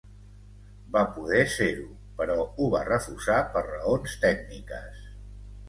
Va poder ser-ho, però ho va refusar per raons tècniques.